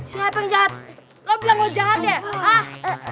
siapa yang jahat lo bilang lo jahat ya